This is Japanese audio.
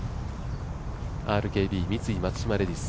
ＲＫＢ×三井松島レディス